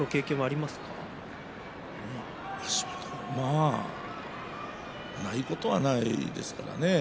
まあないことはないですね。